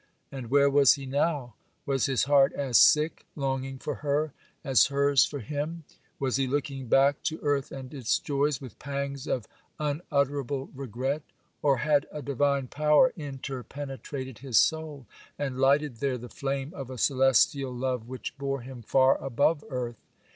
And where was he now? Was his heart as sick, longing for her, as hers for him? Was he looking back to earth and its joys with pangs of unutterable regret? or had a divine power interpenetrated his soul, and lighted there the flame of a celestial love which bore him far above earth?